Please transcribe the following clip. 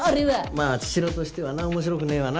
まあ茅代としてはな面白くねえわな。